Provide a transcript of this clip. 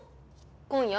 今夜？